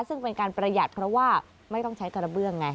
ซึ่งเป็นการประหยัดเพราะว่าไม่ต้องใช้กระเบื้องไง